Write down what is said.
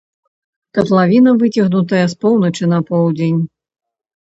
Катлавіна выцягнутая з поўначы на поўдзень.